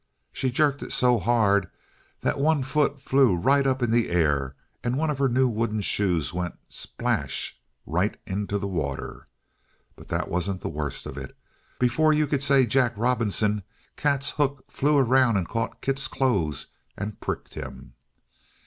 She jerked it so hard that one foot flew right up in the air, and one of her new wooden shoes went splash! right into the water! But that wasn't the worst of it! Before you could say Jack Robinson, Kat's hook flew around and caught in Kit's clothes and pricked him.